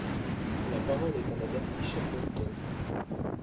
La parole est à Madame Michèle Bonneton.